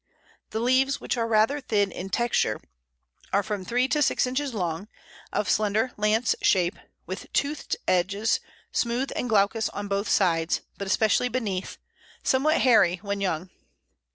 The leaves, which are rather thin in texture, are from three to six inches long, of slender lance shape, with toothed edges, smooth and glaucous on both sides, but especially beneath, somewhat hairy when young.